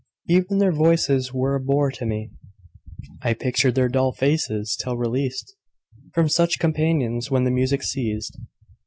Even their voices were a bore to me; I pictured their dull faces, till released From such companions, when the music ceased.